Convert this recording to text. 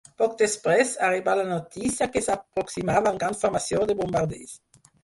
Poc després, arribà la notícia que s'aproximava una gran formació de bombarders.